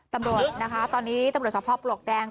ตำรวจนะคะตอนนี้ตำรวจสภาพปลวกแดง